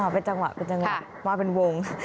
เป็นจังหวะมาเป็นวง